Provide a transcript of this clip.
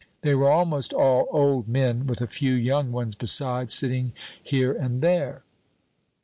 They were almost all old men, with a few young ones besides, sitting here and there.